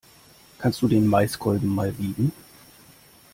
Kannst du den Maiskolben mal wiegen?